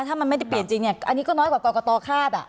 ถ้ามันไม่ได้เปลี่ยนจริงเนี้ยอันนี้ก็น้อยกว่าก่อก่อก่อก่อคาดอ่ะ